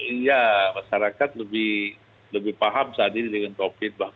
iya masyarakat lebih paham saat ini dengan covid